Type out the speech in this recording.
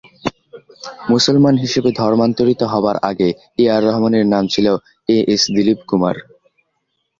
মুসলমান হিসেবে ধর্মান্তরিত হবার আগে এ আর রহমানের নাম ছিল এ এস দিলীপ কুমার।